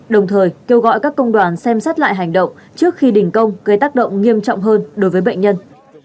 đồng thời kêu gọi các công đoàn xem xét lại hành động trước khi đình công gây tác động nghiêm trọng hơn đối với bệnh nhân